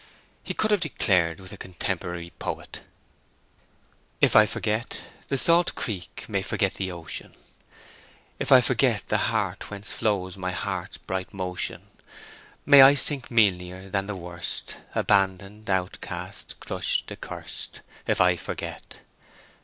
He could have declared with a contemporary poet— "If I forget, The salt creek may forget the ocean; If I forget The heart whence flows my heart's bright motion, May I sink meanlier than the worst Abandoned, outcast, crushed, accurst, If I forget.